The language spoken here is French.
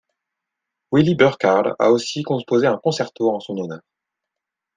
Willy Burkhard a aussi composé un concerto en son honneur.